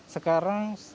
sekarang bisa sampai seribu